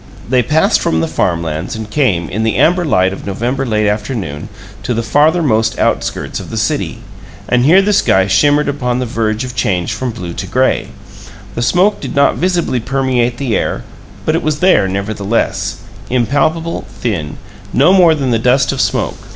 They passed from the farm lands, and came, in the amber light of November late afternoon, to the farthermost outskirts of the city; and here the sky shimmered upon the verge of change from blue to gray; the smoke did not visibly permeate the air, but it was there, nevertheless impalpable, thin, no more than the dust of smoke.